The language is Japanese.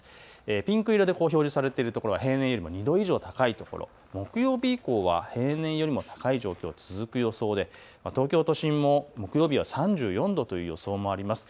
ピンク色で表示されてるところは平年より２度以上高いところ、木曜日以降は平年よりも高い状況続く予想で東京都心も木曜日は３４度の予想もあります。